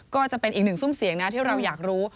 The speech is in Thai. ก็จะเป็นอีกหนึ่งซุ่มเสียงนะที่เราอยากรู้